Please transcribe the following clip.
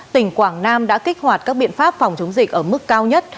tỉnh quảng nam đã kích hoạt các biện pháp phòng chống dịch ở mức cao nhất